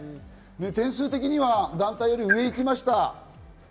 点数的には団体より上に行きました。